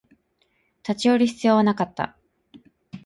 立ち寄る必要はなかった